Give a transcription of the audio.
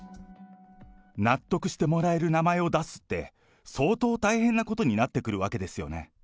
納得してもらえる名前を出すって、相当大変なことになってくるわけですよね。